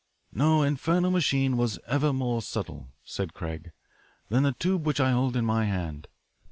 "No infernal machine was ever more subtle," said Craig, "than the tube which I hold in my hand.